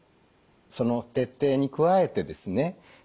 その徹底に加えてですね